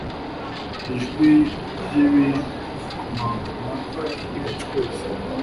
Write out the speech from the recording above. ijwi ry'ibikomangoma rigacweza